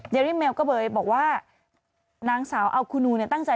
เดริเมลก็เบยบอกว่านางสาวอัลคูนูตั้งใจ